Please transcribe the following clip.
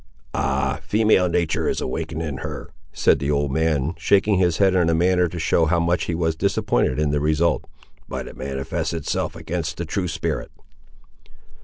"Ah! female natur' is awakened in her," said the old man, shaking his head in a manner to show how much he was disappointed in the result; "but it manifests itself against the true spirit!"